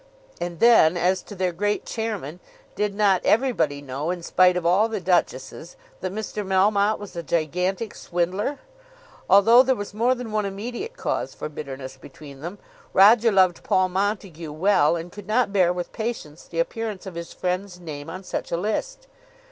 And then as to their great Chairman, did not everybody know, in spite of all the duchesses, that Mr. Melmotte was a gigantic swindler? Although there was more than one immediate cause for bitterness between them, Roger loved Paul Montague well and could not bear with patience the appearance of his friend's name on such a list.